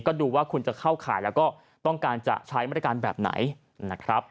ก็ดูว่าคุณจะเข้าข่ายแล้วก็ต้องการจะใช้มาตรการแบบไหนนะครับ